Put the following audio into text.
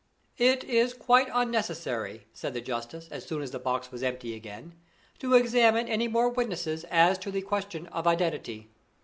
"It is quite unnecessary," said the justice, as soon as the box was empty again, "to examine any more witnesses as to the question of identity.